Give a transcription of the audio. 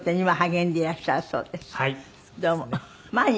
はい。